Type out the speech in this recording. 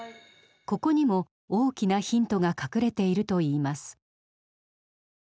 ここにも大きなヒントが隠れているといいます。